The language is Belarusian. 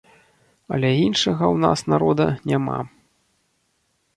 Але іншага ў нас народа няма.